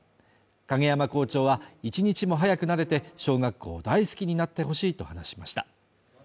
景山校長は１日も早く慣れて、小学校を大好きになってほしいと話しました。